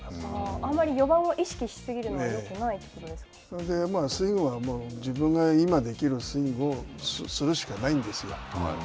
あまり４番を意識し過ぎるのはスイングは、自分が今できるスイングをするしかないんですよ。